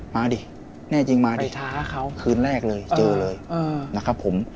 มาดิแน่จริงมาดิไปท้าเขาคืนแรกเลยเจอเลยเออเออนะครับผม